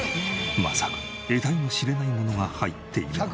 まさか得体の知れないものが入っているのか？